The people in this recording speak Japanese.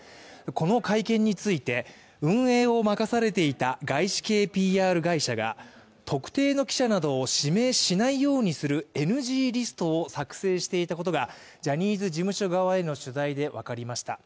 この改憲について、運営を任されていた外資系ＰＲ会社が、特定する記者を指名しないようにするＮＧリストを作成していたことがジャニーズ事務所側への取材で分かりました。